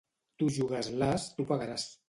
Tu jugues l'as, tu pagaràs.